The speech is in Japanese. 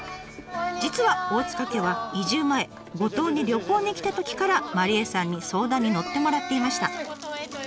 実は大塚家は移住前五島に旅行に来たときから麻梨絵さんに相談に乗ってもらっていました。